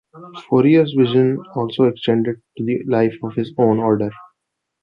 Fourier's vision also extended to the life of his own Order.